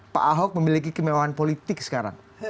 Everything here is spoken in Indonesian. pak ahok memiliki kemewahan politik sekarang